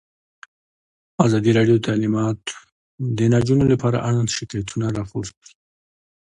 ازادي راډیو د تعلیمات د نجونو لپاره اړوند شکایتونه راپور کړي.